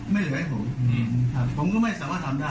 ไม่เหลือให้ผมผมก็ไม่สามารถทำได้